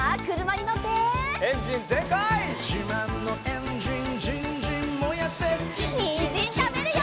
にんじんたべるよ！